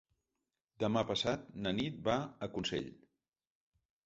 Demà passat na Nit va a Consell.